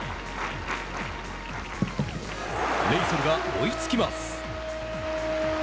レイソルが追いつきます。